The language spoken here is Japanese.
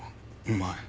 お前。